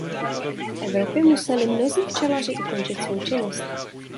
V Evropě museli mnozí včelaři ukončit svou činnost.